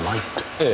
ええ。